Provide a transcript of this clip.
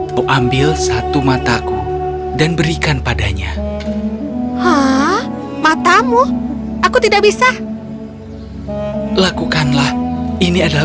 aku ambil satu mataku dan berikan padanya hah matamu aku tidak bisa lakukanlah ini adalah